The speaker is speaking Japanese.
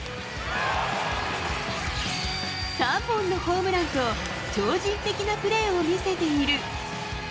３本のホームランと、超人的なプレーを見せている。